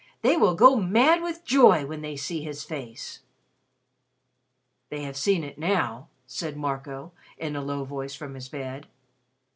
They will go mad with joy when they see his face!" "They have seen it now," said Marco, in a low voice from his bed.